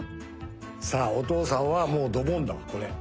さあお父さんはもうドボンだわこれ。